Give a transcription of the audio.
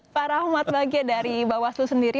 pak rahmat bagia dari bawah selu sendiri